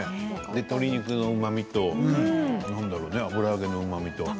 鶏肉のうまみと何だろう、油揚げのうまみと。